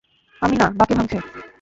আমি না, বাকে ভাঙসে।